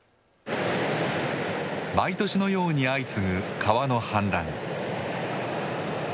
毎年のように相次ぐ川の氾濫。